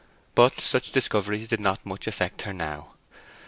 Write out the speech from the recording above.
But such discoveries did not much affect her now.